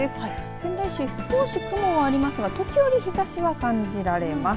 仙台市、少し雲はありますが時折日ざしが感じられます。